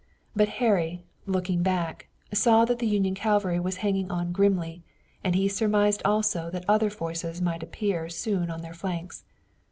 But Harry, looking back, saw that the Union cavalry was hanging on grimly, and he surmised also that other forces might appear soon on their flanks.